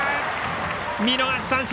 見逃し三振。